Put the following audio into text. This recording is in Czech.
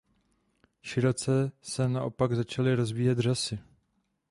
Široce se naopak začaly rozvíjet řasy.